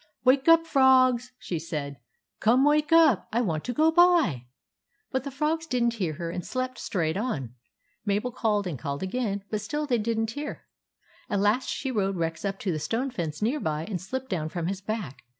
" Wake up, frogs !" she said. " Come, wake up ! I want to go by." But the frogs did n't hear her and slept straight on. Mabel called and called again, but still they did n't hear. At last she rode Rex up to the stone fence near by and slipped down from his back.